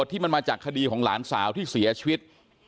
ที่มันมาจากคดีของหลานสาวที่เสียชีวิต